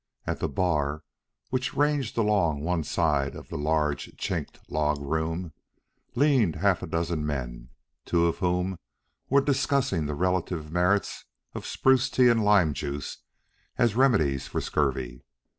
At the bar, which ranged along one side of the large chinked log room, leaned half a dozen men, two of whom were discussing the relative merits of spruce tea and lime juice as remedies for scurvy.